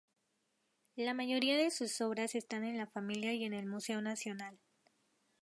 La mayoría de sus obras están en la familia y en el Museo Nacional.